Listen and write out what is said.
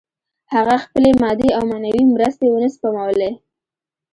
هغه خپلې مادي او معنوي مرستې ونه سپمولې